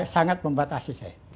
sangat membatasi saya